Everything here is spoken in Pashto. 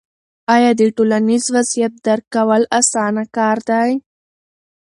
آیا د ټولنیز وضعیت درک کول اسانه کار دی؟